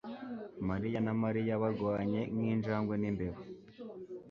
mariya na Mariya barwanye nk'injangwe n'imbwa